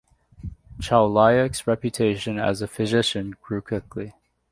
Chauliac's reputation as a physician grew quickly.